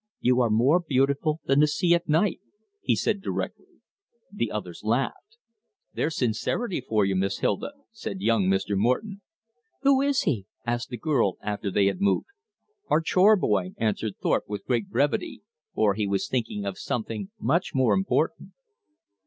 "You are more beautiful than the sea at night," he said directly. The others laughed. "There's sincerity for you, Miss Hilda," said young Mr. Morton. "Who is he?" asked the girl after they had moved "Our chore boy," answered Thorpe with great brevity, for he was thinking of something much more important.